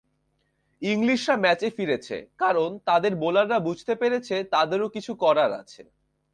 ইংলিশরা ম্যাচে ফিরেছে, কারণ তাদের বোলাররা বুঝতে পেরেছে তাদেরও কিছু করার আছে।